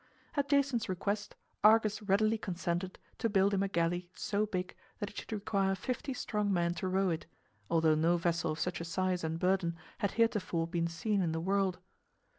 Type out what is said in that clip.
At Jason's request Argus readily consented to build him a galley so big that it should require fifty strong men to row it, although no vessel of such a size and burden had heretofore been seen in the world.